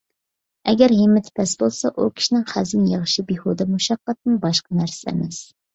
ئەگەر ھىممىتى پەس بولسا، ئۇ كىشىنىڭ خەزىنە يىغىشى بىھۇدە مۇشەققەتتىن باشقا نەرسە ئەمەس.